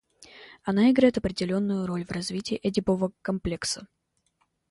Она играет определенную роль в развитии Эдипова комплекса.